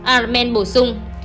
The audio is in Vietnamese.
arben bổ sung